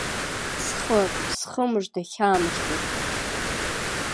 Схы, схы мыжда хьаа мыжда!